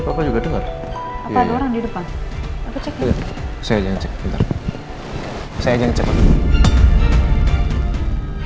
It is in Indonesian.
apa apa juga dengar apa ada orang di depan aku cek aja saya jangan cek bentar saya jangan cek pak